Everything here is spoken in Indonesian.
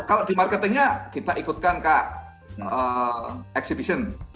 kalau di marketingnya kita ikutkan ke exhibition